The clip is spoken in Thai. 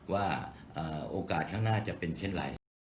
ว่าโอกาสข้างหน้าจะเป็นเช่นไร